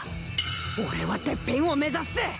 俺はてっぺんを目指すぜ！